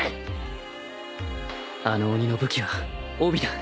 あの鬼の武器は帯だ